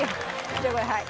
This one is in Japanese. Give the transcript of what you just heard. じゃあこれはい。